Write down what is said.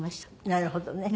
なるほどね。